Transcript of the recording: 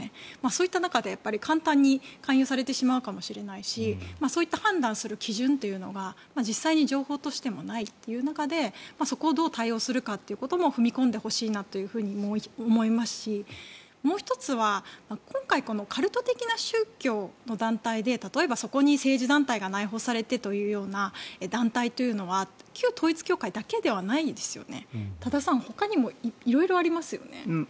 そういった中で簡単に勧誘されてしまうかもしれないしそういった判断する基準というのが実際に情報としてもないという中でそこをどう対応するかということも踏み込んでほしいなと思いますしもう１つは、今回カルト的な宗教の団体で例えばそこに政治団体が内包されてというような団体は旧統一教会だけではないですよね多田さんほかにも色々ありますよね。